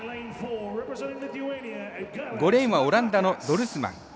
５レーンはオランダのドルスマン。